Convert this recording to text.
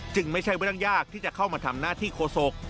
ไม่ใช่เรื่องยากที่จะเข้ามาทำหน้าที่โฆษก